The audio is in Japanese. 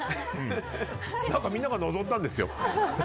みんなが望んだんですよ。